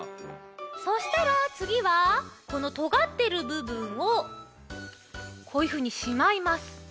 そしたらつぎはこのとがってるぶぶんをこういうふうにしまいます。